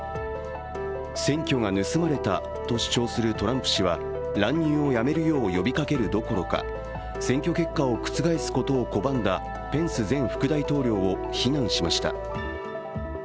選挙が盗まれたと主張するトランプ氏は乱入をやめるよう呼びかけるどころか選挙結果を覆すことを拒んだペンス前副大統領を非難しました。